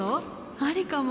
ありかも！